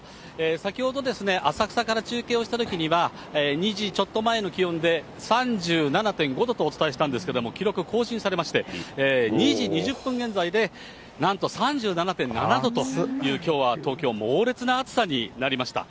先ほどですね、浅草から中継をしたときには、２時ちょっと前の気温で３７．５度とお伝えしたんですけれども、記録更新されまして、２時２０分現在で、なんと３７．７度というきょうは東京、猛烈な暑さになりました。